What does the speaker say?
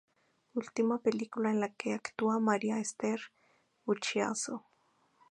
Última película en la que actúa Maria Esther Buschiazzo.